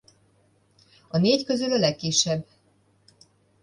A négy közül a legkisebb.